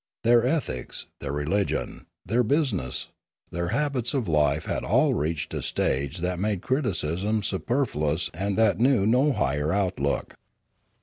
Their ethics, their religion, their business, their habits of life had all reached a stage that made criticism superfluous and that knew no higher outlook.